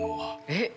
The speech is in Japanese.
えっ？